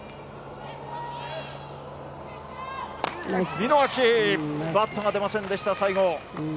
見逃しバットが出ませんでした最後。